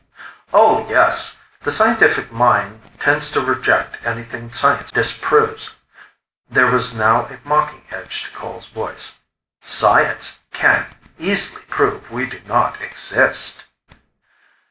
"Oh, yes. The scientific mind tends to reject anything science disproves." There was now a mocking edge to Cole's voice. "Science can easily prove we do not exist."